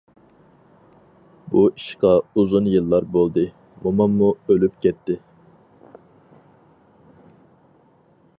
بۇ ئىشقا ئۇزۇن يىللار بولدى، موماممۇ ئۆلۈپ كەتتى.